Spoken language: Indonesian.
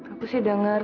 aku sih denger